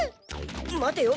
待てよ。